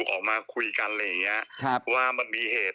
ออกมาคุยกันว่ามีเหตุ